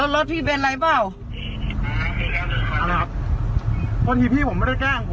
รถรถพี่เป็นไรเปล่าครับโทษทีพี่ผมไม่ได้แกล้ง